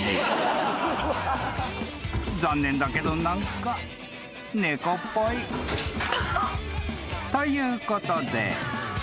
［残念だけど何か猫っぽい］［ということで］